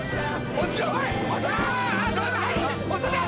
落ちろ！